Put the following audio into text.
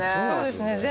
そうですね。